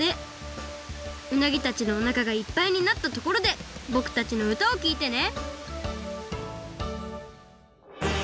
うなぎたちのおなかがいっぱいになったところでぼくたちのうたをきいてね